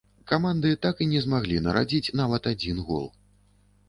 Каманды так і не змаглі нарадзіць нават адзін гол.